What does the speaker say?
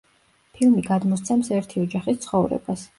ფილმი გადმოსცემს ერთი ოჯახის ცხოვრებას.